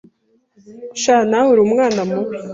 Sha nawe uri umwana mubi